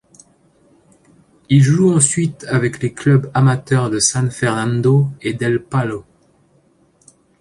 Il joue ensuite avec les clubs amateurs de San Fernando et d'El Palo.